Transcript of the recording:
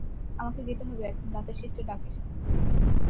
আমাকে যেতে হবে এখন, রাতের শিফটে ডাক এসেছে।